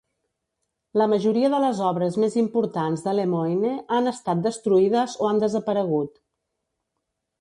La majoria de les obres més importants de Lemoyne han estat destruïdes o han desaparegut.